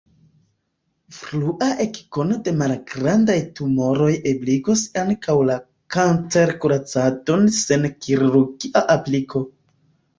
Frua ekkono de malgrandaj tumoroj ebligos ankaŭ la kancerkuracadon sen kirurgia apliko.